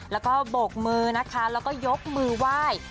แล้วก็โบกมือนะคะแล้วก็ยกมือไหว้